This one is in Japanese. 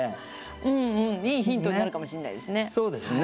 うんうん、いいヒントになるかもしれないですね。